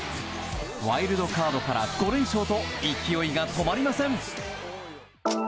ワイルドカードから５連勝と勢いが止まりません。